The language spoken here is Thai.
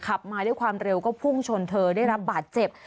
ขับมาด้วยความเร็วก็พุ่งชนเธอได้รับบาดเจ็บ